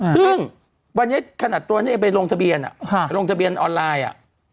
ซึ่งวันนี้ขนาดตัวนี้เองไปลงทะเบียนลงทะเบียนออนไลน์อ่ะ